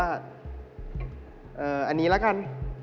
อันนี้ละกัน